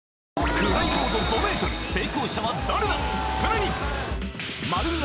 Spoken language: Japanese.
フライボード５ｍ成功者は誰ださらに丸美屋